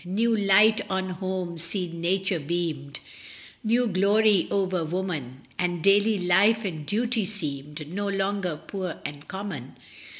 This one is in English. New light on home seen nature beamed, New glory over woman, And daily life and duty seemed No longer poor and common.